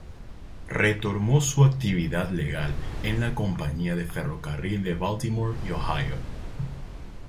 Retomó su actividad legal en la Compañía de Ferrocarril de Baltimore y Ohio.